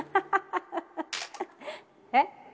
えっ。